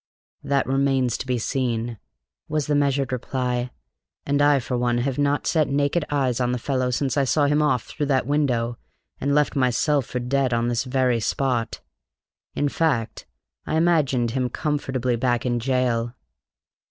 "That remains to be seen," was the measured reply; "and I for one have not set naked eye on the fellow since I saw him off through that window and left myself for dead on this very spot. In fact, I imagined him comfortably back in jail."